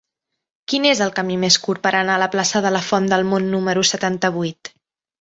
Quin és el camí més curt per anar a la plaça de la Font del Mont número setanta-vuit?